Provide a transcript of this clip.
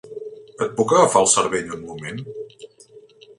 Et puc agafar el cervell un moment?